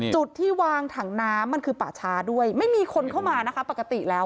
จุดที่วางถังน้ำมันคือป่าชาด้วยไม่มีคนเข้ามานะคะปกติแล้ว